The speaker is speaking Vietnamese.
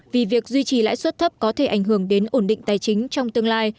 vì việc duy trì lãi suất thấp có thể ảnh hưởng đến ổn định tài chính trong tương lai